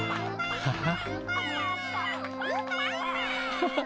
ハハハッ！